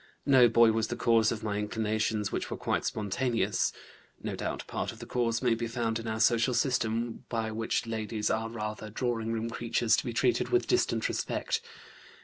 No boy was the cause of my inclinations, which were quite spontaneous. (No doubt, part of the cause may be found in our social system, by which ladies are rather drawing room creatures to be treated with distant respect.)